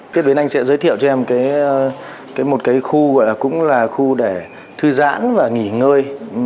kết với anh sẽ giới thiệu cho em một cái khu gọi là cũng là khu để thư giãn và nghỉ ngơi